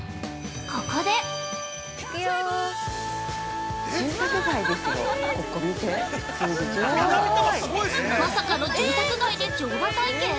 ここで◆まさかの住宅街で乗馬体験！？